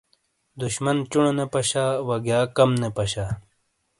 دُشمن چونو نے پاشا وَگیا کم نے پاشا.